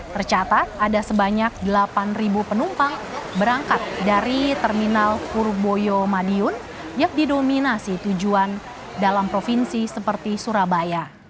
tercatat ada sebanyak delapan penumpang berangkat dari terminal purboyo madiun yang didominasi tujuan dalam provinsi seperti surabaya